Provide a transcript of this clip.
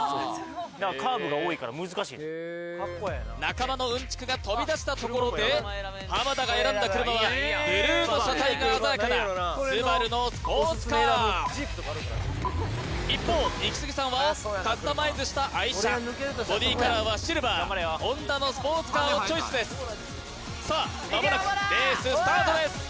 だからカーブが多いから難しい中間のうんちくが飛び出したところで田が選んだ車はブルーの車体が鮮やかなＳＵＢＡＲＵのスポーツカー一方イキスギさんはカスタマイズした愛車ボディーカラーはシルバーＨｏｎｄａのスポーツカーをチョイスですさあまもなくレーススタートです